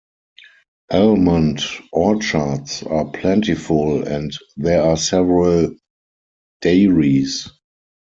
Almond orchards are plentiful, and there are several dairies.